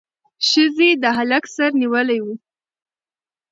ښځې د هلک سر نیولی و.